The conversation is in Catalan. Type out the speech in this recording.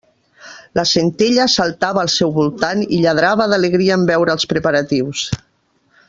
La Centella saltava al seu voltant i lladrava d'alegria en veure els preparatius.